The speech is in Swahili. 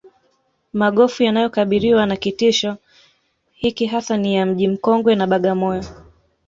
Magofu yanayokabiriwa na kitisho hiki hasa ni ya Mji mkongwe wa Bagamoyo